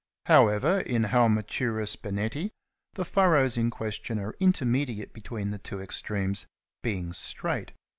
However, in Halmaturus bennetti the furrows in question are intermediate between the two extremes, being straight.